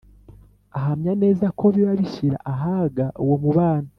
ahamya neza ko biba bishyira ahaga uwo mubano.